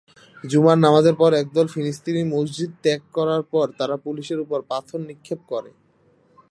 জুমার নামাজের পর একদল ফিলিস্তিনি মসজিদ ত্যাগ করার পর তারা পুলিশের উপর পাথর নিক্ষেপ করে।